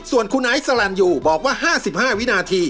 ส่วนคุณไอซ์สลันยูบอกว่า๕๕วินาที